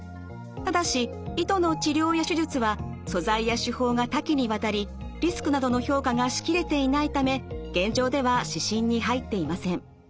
ただし糸の治療や手術は素材や手法が多岐にわたりリスクなどの評価がしきれていないため現状では指針に入っていません。